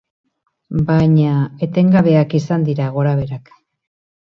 Baina, etengabeak izan dira gora-beherak.